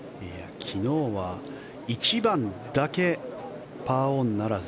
昨日は１番だけパーオンならず。